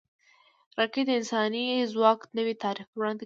راکټ د انساني ځواک نوی تعریف وړاندې کوي